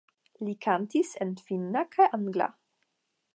Li kantis en finna kaj angla.